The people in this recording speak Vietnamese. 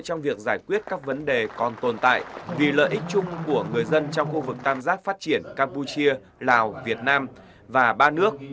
trong việc giải quyết các vấn đề còn tồn tại vì lợi ích chung của người dân trong khu vực tam giác phát triển campuchia lào việt nam và ba nước